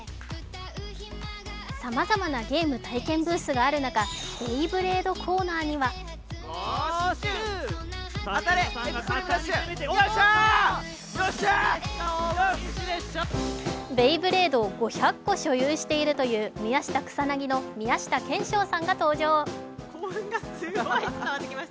さまざまなゲーム体験ブースがある中、ベイブレードコーナーにはベイブレードを５００個所有しているという宮下草薙の宮下兼史鷹さんが登場。